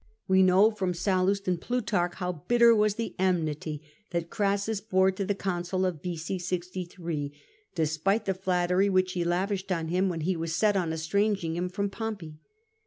We know from Sallust and Plutarch how bitter was the enmity that Crassus bore to the consul of B.o. 63, despite the flattery which he lavished on him when he was set on estranging him from Pompey.